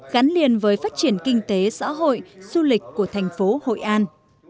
gắn liền với phát triển kinh tế xã hội du lịch của thành phố hội an